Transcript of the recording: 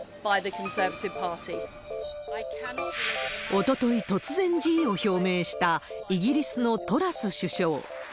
おととい、突然辞意を表明した、イギリスのトラス首相。